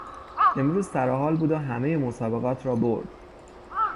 امروز سرحال بود و همهی مسابقات را برد.